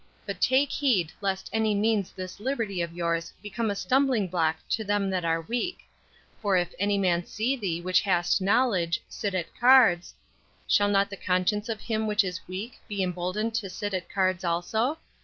But take heed lest by any means this liberty of yours become a stumbling block to them that are weak; for if any man see thee which hast knowledge, sit at cards, shall not the conscience of him which is weak be emboldened to sit at cards also?